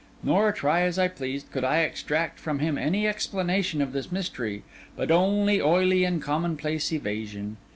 Nor, try as I pleased, could I extract from him any explanation of this mystery, but only oily and commonplace evasion.